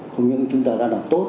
không những chúng ta đã làm tốt